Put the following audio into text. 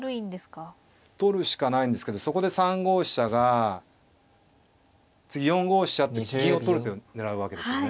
取るしかないんですけどそこで３五飛車が次４五飛車って銀を取る手を狙うわけですよね。